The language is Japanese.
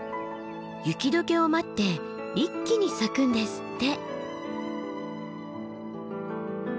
雪解けを待って一気に咲くんですって。